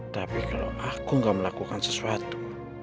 tapi kalau aku gak melakukan sesuatu